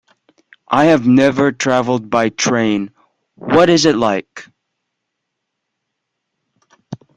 I have never traveled by train, what is it like?